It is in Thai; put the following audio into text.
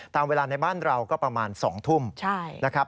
ตามเวลาในบ้านเราก็ประมาณ๒ทุ่มนะครับ